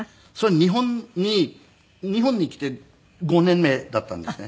日本に日本に来て５年目だったんですね。